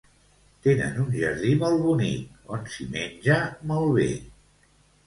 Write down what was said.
Tenen un jardí molt bonic on s'hi menja molt bé.